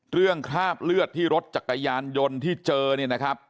คราบเลือดที่รถจักรยานยนต์ที่เจอเนี่ยนะครับ